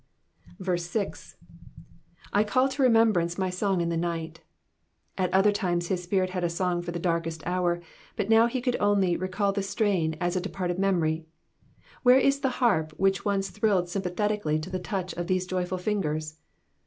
6. '''I call to remembrance my song in the nighU'*'^ At other times his spirit had a song for the darkest hour, but now he could only recall the strain as a departed memory. Where is the harp which once thrilled sympathetically to the touch of these joyful fingers